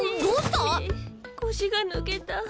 腰が抜けた。